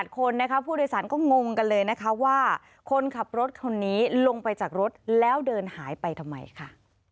คนนะคะผู้โดยสารก็งงกันเลยนะคะว่าคนขับรถคนนี้ลงไปจากรถแล้วเดินหายไปทำไมค่ะ